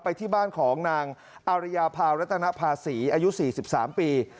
ไปที่บ้านของนางอาริยาพาวรัตนภาษีอายุ๔๓ปี